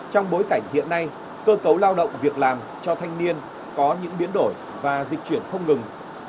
trong bối cảnh hiện nay cơ cấu lao động việc làm cho thanh niên có những biến đổi và dịch chuyển không ngừng